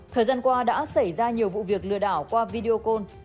thời gian qua đã xảy ra nhiều vụ việc lừa đảo qua video call